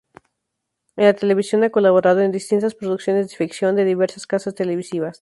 En televisión, ha colaborado en distintas producciones de ficción de diversas casas televisivas.